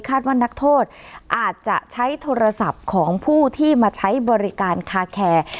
ว่านักโทษอาจจะใช้โทรศัพท์ของผู้ที่มาใช้บริการคาแคร์